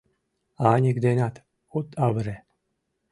Аньык денат от авыре.